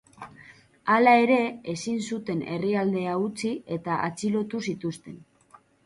Hala ere, ezin zuten herrialdea utzi eta atxilotu zituzten.